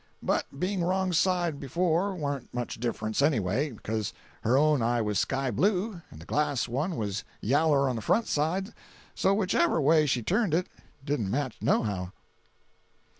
But being wrong side before warn't much difference, anyway; becuz her own eye was sky blue and the glass one was yaller on the front side, so whichever way she turned it it didn't match nohow.